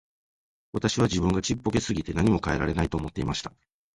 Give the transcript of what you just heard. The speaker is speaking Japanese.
私は自分がちっぽけすぎて何も変えられないと思っていました。